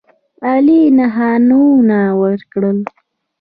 عالي نښانونه ورکړل.